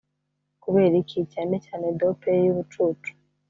kuberiki, cyane cyane dope ye yubucucu